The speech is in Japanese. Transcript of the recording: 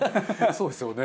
そうですよね。